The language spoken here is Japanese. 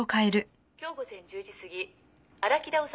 「今日午前１０時過ぎ荒木田修